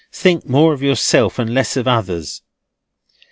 Think more of yourself, and less of others.